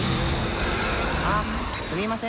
あすみません。